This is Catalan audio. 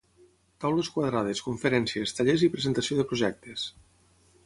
Taules quadrades, conferències, tallers i presentació de projectes.